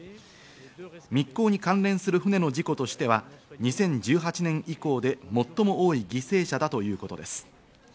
密航に関連する船の事故としては２０１８年以降で最も多い犠牲者だということです。